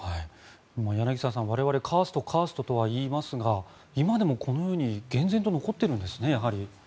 柳澤さん、我々カーストカーストとは言いますが今でもこのように厳然と残っているんですね。